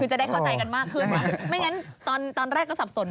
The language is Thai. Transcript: คือจะได้เข้าใจกันมากเพิ่มละ